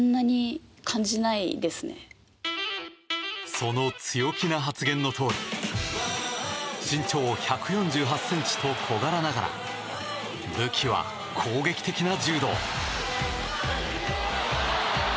その強気な発言のとおり身長１４８ｃｍと小柄ながら武器は攻撃的な柔道。